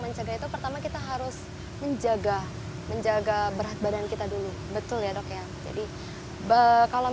mencegah itu pertama kita harus menjaga menjaga berat badan kita dulu betul ya dok ya jadi kalau